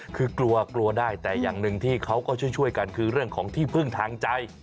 คือกลัวกลัวได้แต่อย่างหนึ่งที่เขาก็ช่วยกันคือเรื่องของที่พึ่งทางใจ